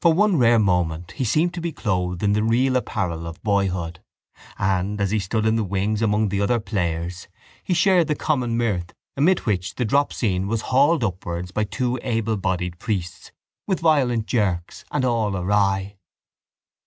For one rare moment he seemed to be clothed in the real apparel of boyhood: and, as he stood in the wings among the other players, he shared the common mirth amid which the drop scene was hauled upwards by two ablebodied priests with violent jerks and all awry.